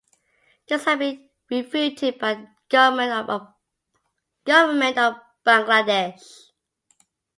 This had been refuted by the Government of Bangladesh.